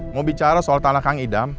mau bicara soal tanah kang idam